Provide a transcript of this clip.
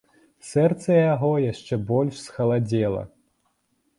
Сэрца яго яшчэ больш схаладзела.